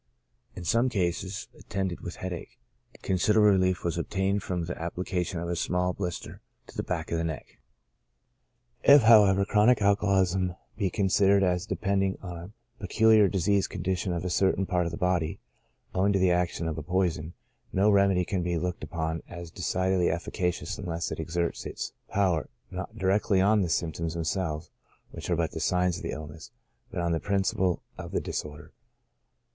In some cases attended with headache, consider able relief was obtained from the application of a small blis ter to the back of the neck. If, however, chronic alcoholism be considered as depend ing on a peculiar diseased condition of a certain part of the body, owing to the action of a poison, no remedy can be looked upon as decidedly efficacious unless it exerts its power, not directly on the symptoms themselves, which are but the signs of the illness, but on the principle of the dis order.